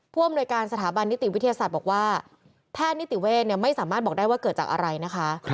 อำนวยการสถาบันนิติวิทยาศาสตร์บอกว่าแพทย์นิติเวทไม่สามารถบอกได้ว่าเกิดจากอะไรนะคะ